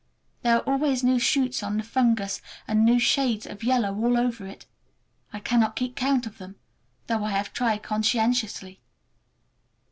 There are always new shoots on the fungus, and new shades of yellow all over it. I cannot keep count of them, though I have tried conscientiously.